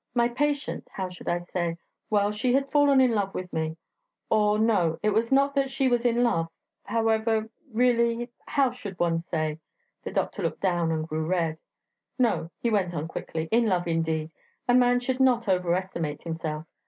My patient ... how should I say?... Well she had fallen in love with me ... or, no, it was not that she was in love ... however ... really, how should one say?" (The doctor looked down and grew red.) "No," he went on quickly, "in love, indeed! A man should not over estimate himself.